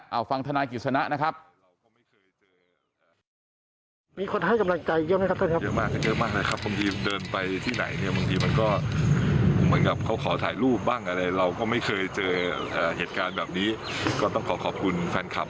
เอาฟังธนายกิจสนะนะครับ